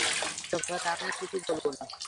এই ব্যাপারে আমি আর কিচ্ছু বলব না।